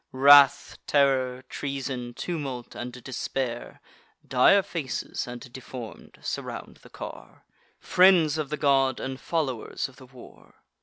Wrath, Terror, Treason, Tumult, and Despair (Dire faces, and deform'd) surround the car; Friends of the god, and followers of the war.